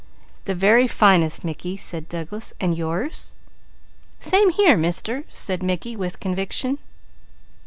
"The very finest, Mickey," said Douglas. "And yours?" "Same here, Mister," said Mickey with conviction.